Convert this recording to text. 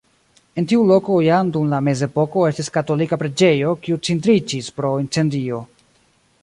En tiu loko jam dum la mezepoko estis katolika preĝejo, kiu cindriĝis pro incendio.